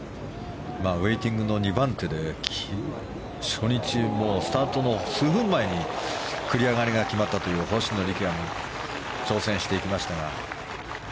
ウェイティングの２番手で初日、スタートの数分前に繰り上がりが決まったという星野陸也も挑戦していきましたが。